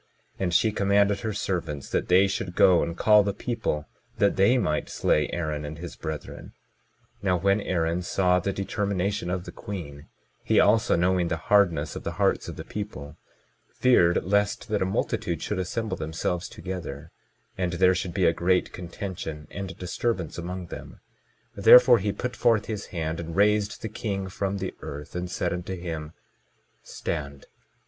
And she commanded her servants that they should go and call the people, that they might slay Aaron and his brethren. 22:22 Now when Aaron saw the determination of the queen, he, also knowing the hardness of the hearts of the people, feared lest that a multitude should assemble themselves together, and there should be a great contention and a disturbance among them; therefore he put forth his hand and raised the king from the earth, and said unto him: Stand.